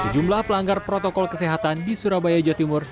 sejumlah pelanggar protokol kesehatan di surabaya jawa timur